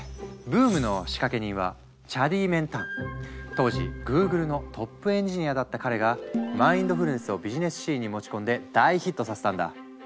ブームの仕掛け人は当時グーグルのトップエンジニアだった彼がマインドフルネスをビジネスシーンに持ち込んで大ヒットさせたんだ。